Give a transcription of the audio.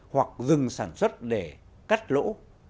hoặc dừng sản xuất để cắt lỗ